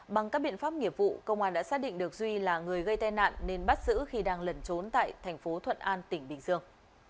bằng các biện pháp nghiệp vụ công an đã xác định được duy là người gây tai nạn nên bắt giữ khi đang lẩn trốn tại thành phố thuận an tỉnh bình dương